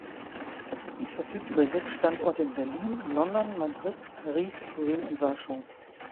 Sie verfügt über sechs Standorte in Berlin, London, Madrid, Paris, Turin und Warschau.